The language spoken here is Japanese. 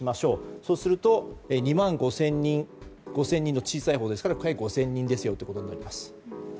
そうすると、２万５０００人の小さいほうですから５０００人ですよということになります。